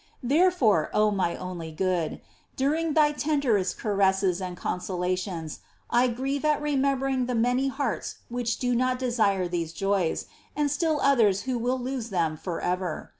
3. Therefore, O my only Good, during Thy tenderest caresses and consolations, I grieve at remembering the many hearts which do not desire these joys, and still others who will lose them for ever.